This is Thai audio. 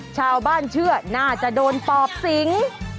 ชาวบ้านเชื่อน่าจะโดนปอบสิง